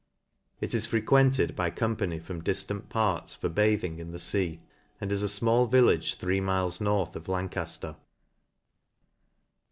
It is frequented by company from difrant parts for bathing in the fea, and is a fmall village three miles north of Lancajler.